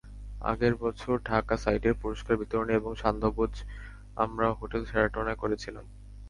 আগের বছর ঢাকা সাইটের পুরস্কার বিতরণী এবং সান্ধ্যভোজ আমরা হোটেল শেরাটনে করেছিলাম।